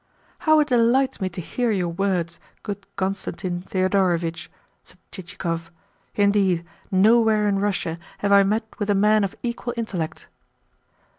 "How it delights me to hear your words, good Constantine Thedorovitch!" said Chichikov. "Indeed, nowhere in Russia have I met with a man of equal intellect."